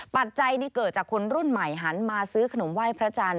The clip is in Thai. ปัจจัยนี่เกิดจากคนรุ่นใหม่หันมาซื้อขนมไหว้พระจันทร์